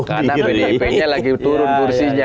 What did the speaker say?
karena pdip nya lagi turun kursinya